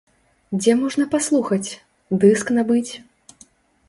Дзе можна паслухаць, дыск набыць?